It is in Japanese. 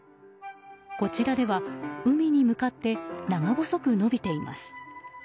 こちらでは、海に向かって長細く伸びています。